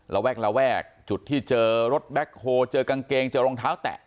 ระแวกระแวกจุดที่เจอรถแบ็คโฮเจอกางเกงเจอรองเท้าแตะ